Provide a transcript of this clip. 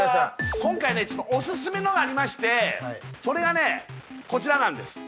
今回ねちょっとオススメのがありましてそれがねこちらなんです